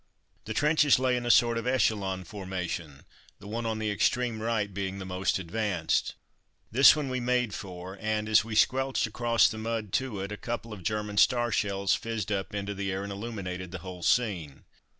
The trenches lay in a sort of echelon formation, the one on the extreme right being the most advanced. This one we made for, and as we squelched across the mud to it a couple of German star shells fizzed up into the air and illuminated the whole scene.